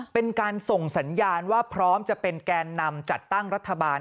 เป็นการส่งสัญญาณว่าพร้อมจะเป็นแกนนำจัดตั้งรัฐบาล